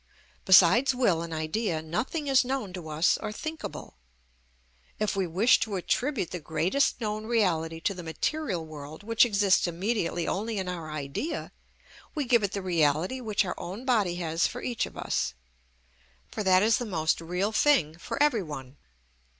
Besides will and idea nothing is known to us or thinkable. If we wish to attribute the greatest known reality to the material world which exists immediately only in our idea, we give it the reality which our own body has for each of us; for that is the most real thing for every one.